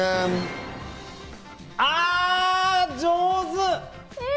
あぁ、上手！